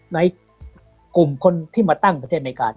ในกลุ่มคนที่มาตั้งประเทศอเมริกา